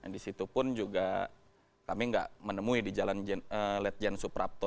disitu pun juga kami gak menemui di jalan ledjen suprapto